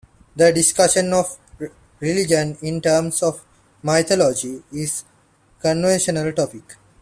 The discussion of religion in terms of mythology is a controversial topic.